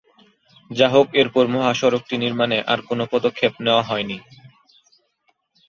যাহোক এরপর মহাসড়কটি নির্মাণে আর কোন পদক্ষেপ নেওয়া হয়নি।